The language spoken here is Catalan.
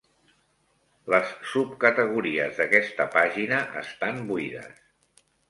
Les subcategories d'aquesta pàgina estan buides.